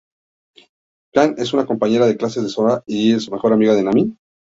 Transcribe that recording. Kana es una compañera de clases de Sora y la mejor amiga de Nami.